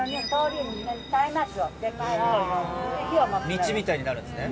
道みたいになるんですね。